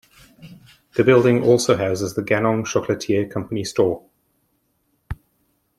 The building also houses the Ganong Chocolatier company store.